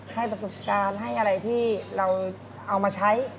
ให้ประสบการณ์ให้อะไรที่เราเอามาใช้